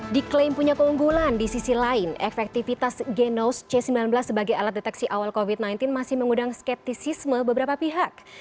diklaim punya keunggulan di sisi lain efektivitas genos c sembilan belas sebagai alat deteksi awal covid sembilan belas masih mengundang skeptisisme beberapa pihak